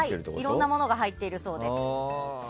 いろんなものが入っているそうです。